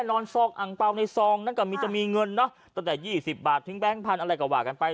ในซองนั้นก็จะมีเงินเนอะตั้งแต่๒๐บาททิ้งแบงค์พันธุ์อะไรก็ว่ากันไป